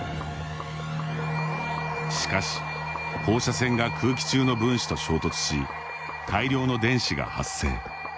しかし、放射線が空気中の分子と衝突し大量の電子が発生。